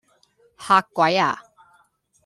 嚇鬼呀?